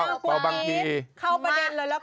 เอ้ากรุ๊ปกริ๊ปเข้าประเด็นเลยแล้วกัน